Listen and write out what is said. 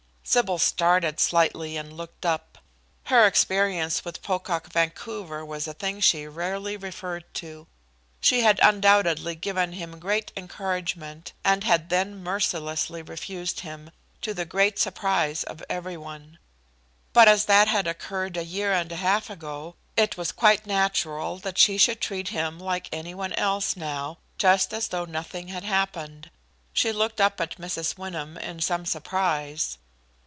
Sybil started slightly and looked up. Her experience with Pocock Vancouver was a thing she rarely referred to. She had undoubtedly given him great encouragement, and had then mercilessly refused him, to the great surprise of every one. But as that had occurred a year and a half ago, it was quite natural that she should treat him like any one else, now, just as though nothing had happened. She looked up at Mrs. Wyndham in some surprise.